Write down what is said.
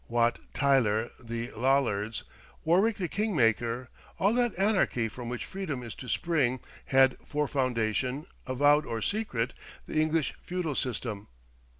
Wat Tyler, the Lollards, Warwick the King maker, all that anarchy from which freedom is to spring, had for foundation, avowed or secret, the English feudal system.